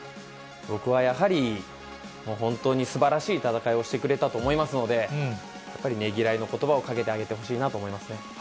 僕はやはり、本当にすばらしい戦いをしてくれたと思いますので、やっぱりねぎらいのことばをかけてあげてほしいなと思いますね。